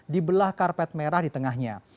di belah karpet merah di tengahnya